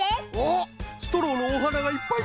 ストローのおはながいっぱいさいてる！